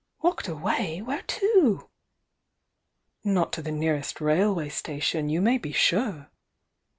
"Walked away? Where to?" "Not to the nearest railway station, you may be sure!"